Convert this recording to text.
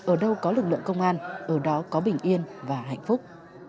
ở đâu có lực lượng công an ở đó có bình yên và hạnh phúc